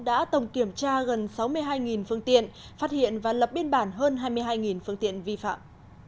đã tổng kiểm tra gần sáu mươi hai phương tiện phát hiện và lập biên bản hơn hai mươi hai phương tiện vi phạm